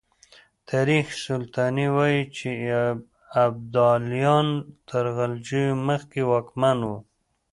تاريخ سلطاني وايي چې ابداليان تر غلجيو مخکې واکمن وو.